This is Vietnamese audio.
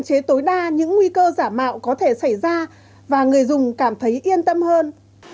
chế tối đa những nguy cơ giả mạo có thể xảy ra và người dùng cảm thấy yên tâm hơn